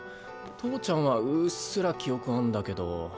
父ちゃんはうっすら記憶あんだけど。